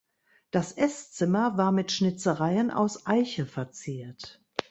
Das Esszimmer war mit Schnitzereien aus Eiche verziert.